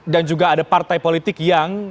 dan juga ada partai politik yang